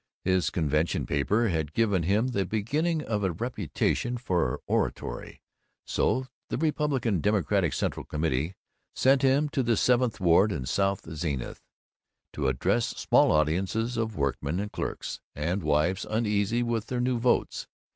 His convention paper had given him the beginning of a reputation for oratory, so the Republican Democratic Central Committee sent him to the Seventh Ward and South Zenith, to address small audiences of workmen and clerks, and wives uneasy with their new votes.